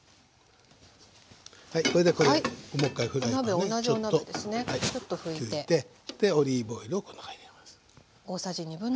はいこれでもう１回フライパンをね。同じお鍋ですねちょっと拭いて。でオリーブオイルをこの中入れます。